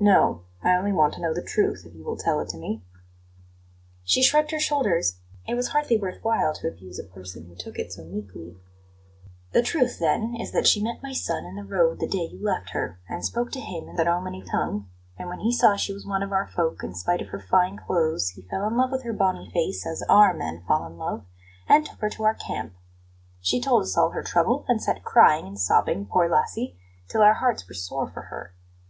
"No; I only want to know the truth, if you will tell it to me." She shrugged her shoulders; it was hardly worth while to abuse a person who took it so meekly. "The truth, then, is that she met my son in the road the day you left her, and spoke to him in the Romany tongue; and when he saw she was one of our folk, in spite of her fine clothes, he fell in love with her bonny face, as OUR men fall in love, and took her to our camp. She told us all her trouble, and sat crying and sobbing, poor lassie, till our hearts were sore for her.